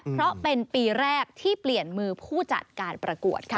เพราะเป็นปีแรกที่เปลี่ยนมือผู้จัดการประกวดค่ะ